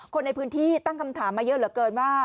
คนในพื้นที่ตั้งคำถามมาเยอะเหลือเกินว่า